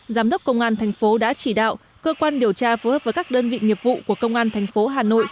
giám đốc công an tp đã chỉ đạo cơ quan điều tra phối hợp với các đơn vị nghiệp vụ của công an tp hà nội